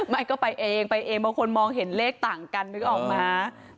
ไม่ก็ไปเองคนมองเห็นเลขต่างกันก็จะออกมา